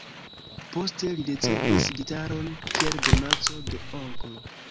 Poste li ricevis gitaron kiel donaco de onklo.